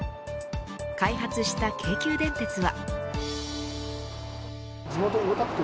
開発した京急電鉄は。